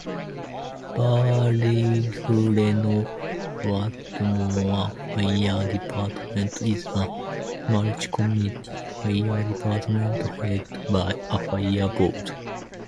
Burleigh-Reno-Whittemore Fire Department is a multi-community fire department head by a fire board.